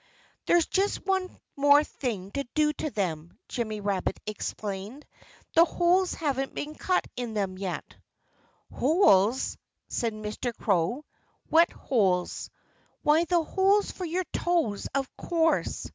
"There's just one more thing to do to them," Jimmy Rabbit explained. "The holes haven't been cut in them yet." "Holes!" said Mr. Crow. "What holes?" "Why, the holes for your toes, of course!"